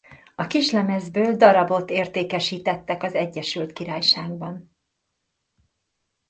A kislemezből darabot értékesítettek az Egyesült Királyságban.